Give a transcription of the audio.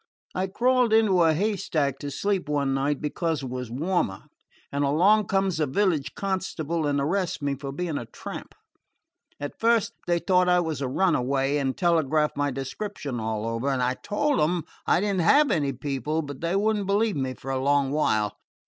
I crawled into a haystack to sleep one night, because it was warmer, and along comes a village constable and arrests me for being a tramp. At first they thought I was a runaway, and telegraphed my description all over. I told them I did n't have any people, but they would n't believe me for a long while.